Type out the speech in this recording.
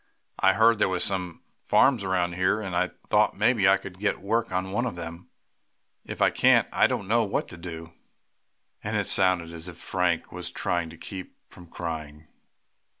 I heard there were some farms around here, and I thought maybe I could get work on one of them. If I can't I don't know what to do," and it sounded as if Frank was trying to keep from crying.